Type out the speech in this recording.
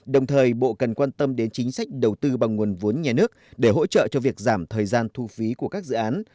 đồng thời bộ cần quan tâm đến chính sách đầu tư bằng nguồn vốn nhà nước để hỗ trợ cho việc giảm thời gian thu phí của các dự án